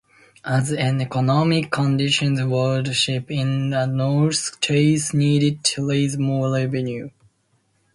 As economic conditions worsened in the North, Chase needed to raise more revenue.